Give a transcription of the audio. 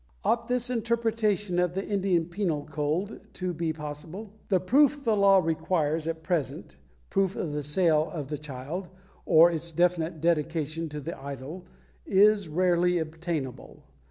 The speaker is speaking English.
Ought this interpretation of the Indian Penal Code to be possible? The proof the law requires at present, proof of the sale of the child or its definite dedication to the idol, is rarely obtainable.